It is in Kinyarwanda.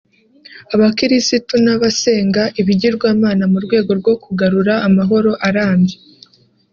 abakirisitu n’abasenga ibigirwamana mu rwego rwo kugarura amahoro arambye